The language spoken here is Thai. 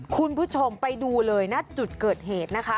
คุณผู้ชมไปดูเลยนะจุดเกิดเหตุนะคะ